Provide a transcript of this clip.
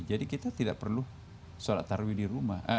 jadi kita tidak perlu sholat tarwi di rumah